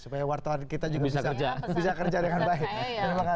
supaya wartawan kita juga bisa kerja dengan baik